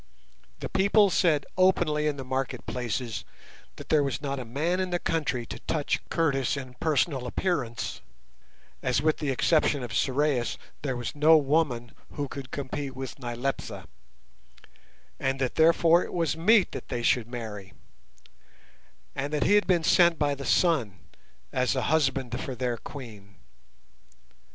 The people said openly in the market places that there was not a man in the country to touch Curtis in personal appearance, as with the exception of Sorais there was no woman who could compete with Nyleptha, and that therefore it was meet that they should marry; and that he had been sent by the Sun as a husband for their Queen.